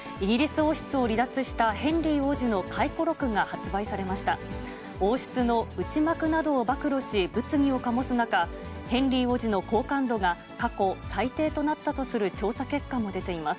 王室の内幕などを暴露し、物議を醸す中、ヘンリー王子の好感度が過去最低となったとする調査結果も出ています。